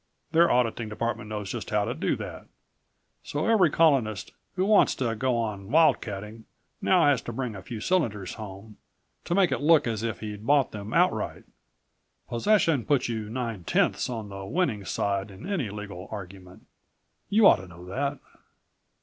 Their auditing department knows just how to do that. So every Colonist who wants to go on wildcatting now has to bring a few cylinders home, to make it look as if he'd bought them outright. Possession puts you nine tenths on the winning side in any legal argument. You ought to know that!"